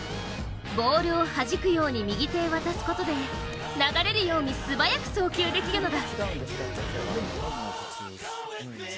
ボールを弾くように右手へ渡すことで流れるように素早く送球できるのだ。